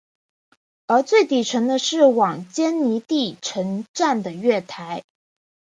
而最底层是往坚尼地城站的月台。